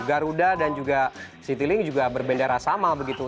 garuda dan juga citylink juga berbeda rasama begitu